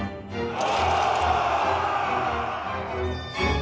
お！